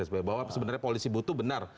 sebenarnya bahwa sebenarnya polisi butuh benar